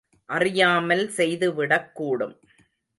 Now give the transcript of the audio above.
அறியாமல் செய்து விடக் கூடும்.